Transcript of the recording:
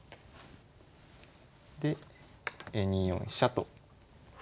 で２四飛車と。